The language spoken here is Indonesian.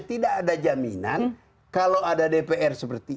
tidak ada jaminan kalau ada dpr seperti